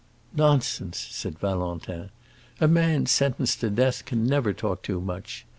"Nonsense!" said Valentin; "a man sentenced to death can never talk too much.